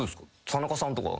田中さんとか。